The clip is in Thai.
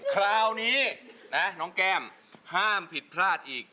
คราวนี้นะน้องแก้มห้ามผิดพลาดอีก